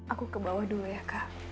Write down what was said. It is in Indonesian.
aku ke bawah dulu ya kak